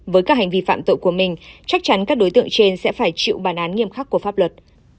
với các hành vi phạm tội của mình chắc chắn các đối tượng trên sẽ phải chịu bản án nghiêm khắc của pháp luật